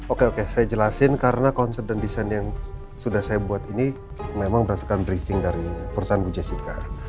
oke oke saya jelasin karena konsep dan desain yang sudah saya buat ini memang berdasarkan briefing dari perusahaan bu jessica